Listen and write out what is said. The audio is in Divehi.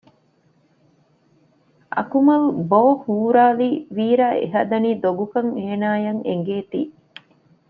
އަކުމަލް ބޯ ހުރާލީ ވީރާ އެހަދަނީ ދޮގުކަން އޭނާއަށް އެނގޭތީ